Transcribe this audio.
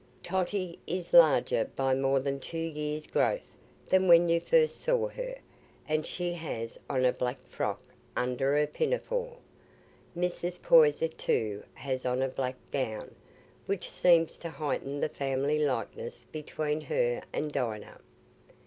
Totty is larger by more than two years' growth than when you first saw her, and she has on a black frock under her pinafore. Mrs. Poyser too has on a black gown, which seems to heighten the family likeness between her and Dinah.